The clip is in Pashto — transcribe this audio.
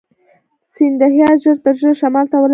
سیندهیا ژر تر ژره شمال ته ولاړ شي.